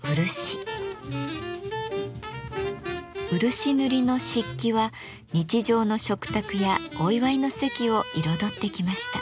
漆塗りの漆器は日常の食卓やお祝いの席を彩ってきました。